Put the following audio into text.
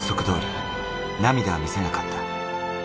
約束通り、涙は見せなかった。